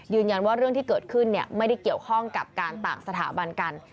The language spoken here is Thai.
เรื่องที่เกิดขึ้นไม่ได้เกี่ยวข้องกับการต่างสถาบันกัน